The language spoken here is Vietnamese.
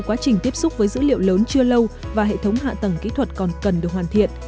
quá trình tiếp xúc với dữ liệu lớn chưa lâu và hệ thống hạ tầng kỹ thuật còn cần được hoàn thiện